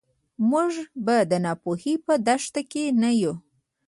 موږ به د ناپوهۍ په دښته کې نه یو.